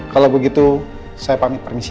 kalau begitu saya pamit permisi